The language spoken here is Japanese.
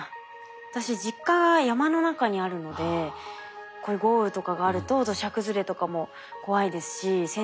私実家が山の中にあるのでこういう豪雨とかがあると土砂崩れとかも怖いですし本当にそうですね。